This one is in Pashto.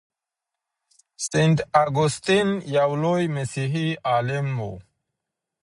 سینټ اګوستین یو لوی مسیحي عالم و.